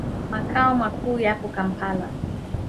Makao makuu yapo Kampala.